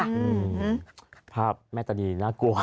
อืมภาพแม่ตานีน่ากลัว